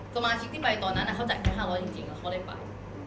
สมาชิกที่ไปตอนนั้นเขาจ่ายแค่๕๐๐จริงแล้วเขาเลยไป